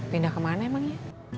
pindah kemana emangnya